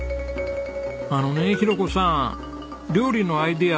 あのね裕子さん料理のアイデア